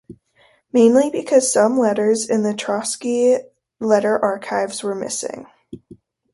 Mainly because some letters in the Trotsky Letter Archives were missing.